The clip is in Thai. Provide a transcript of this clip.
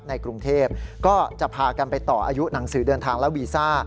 ในกรุงเทพก็จะพากันไปต่ออายุหนังสือเดินทางและวีซ่า